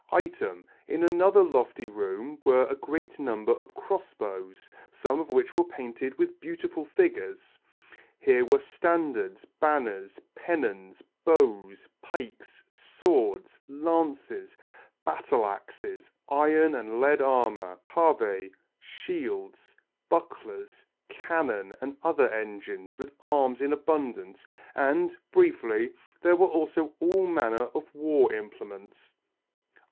Item, in another lofty room were a great number of cross bows, some of which were painted with beautiful figures. Here were standards, banners, pennons, bows, pikes, swords, lances, battle axes, iron and lead armour, pavais, shields, bucklers, cannon and other engines, with arms in abundance, and, briefly, there were also all manner of war implements.